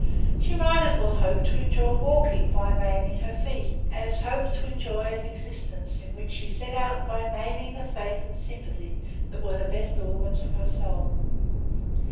She might as well hope to enjoy walking by maiming her feet, as hope to enjoy an existence in which she set out by maiming the faith and sympathy that were the best organs of her soul.